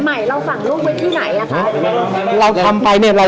ของใครใหม่เราฝั่งลูกไว้ที่ไหนล่ะคะ